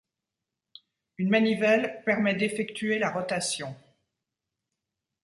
Une manivelle permet d’effectuer la rotation.